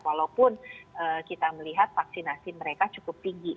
walaupun kita melihat vaksinasi mereka cukup tinggi